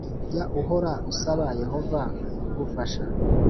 Jya uhora usaba Yehova kugufasha